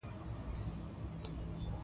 تاریخ د افغانستان طبعي ثروت دی.